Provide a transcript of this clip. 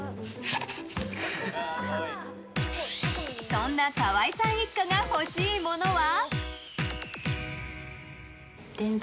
そんな河合さん一家が欲しいものは？